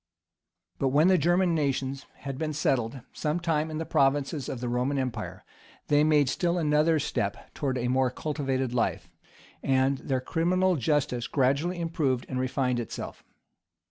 [*] But when the German nations had been settled some time in the provinces of the Roman empire, they made still another step towards a more cultivated life, and their criminal justice gradually improved and refined itself.